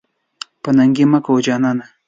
بې ننګي مه کوه جانانه.